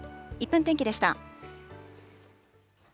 １分天気でした。